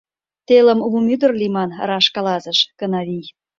— Телым Лумӱдыр лийман, — раш каласыш Кынавий.